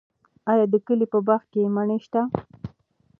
آیا د کلي په باغ کې مڼې شته؟